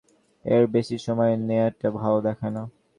এর বেশি সময় নেয়াটা ভালো দেখায় না।